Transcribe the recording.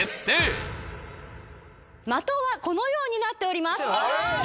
的はこのようになっております